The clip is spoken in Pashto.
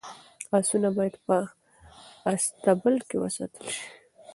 اسونه باید په اصطبل کي وساتل شي.